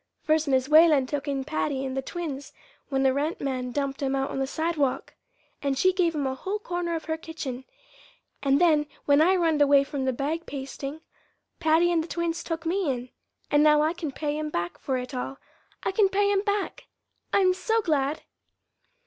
First Mis' Whalen took in Patty and the twins when the rent man dumped 'em out on the sidewalk, and she gave 'em a whole corner of her kitchen. And then when I runned away from the bag pasting, Patty and the twins took me in. And now I can pay 'em back for it all I can pay 'em back. I'm so glad!"